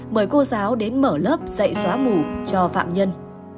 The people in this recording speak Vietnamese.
mời cô giáo đến mở lớp dạy xóa mù cho phạm nhân